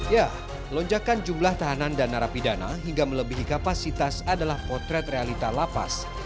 ya lonjakan jumlah tahanan dan narapidana hingga melebihi kapasitas adalah potret realita lapas